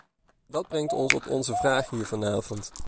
Dat brengt ons op onze vraag hier vanavond.